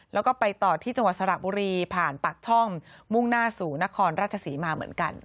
แล้วก็ไปต่อที่จังหวัดสระบุรีผ่านปากช่องมุ่งหน้าสู่นครราชศรีมาเหมือนกัน